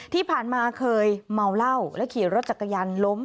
ที่ผ่านมาเคยเมาเหล้าและขี่รถจักรยานล้ม